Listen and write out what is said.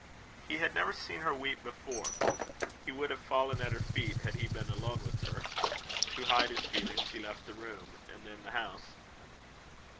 He had never seen her weep before. He would have fallen at her feet, had he been alone with her. To hide his feelings, he left the room, and then the house.